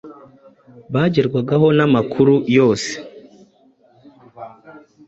bagerwaho n’amakuru yose,